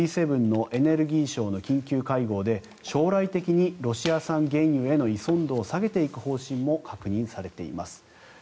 Ｇ７のエネルギー相の緊急会合で将来的にロシア産原油への依存度を下げていく方針も確認されています。